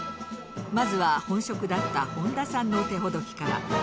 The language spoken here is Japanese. まずは本職だった誉田さんの手ほどきから。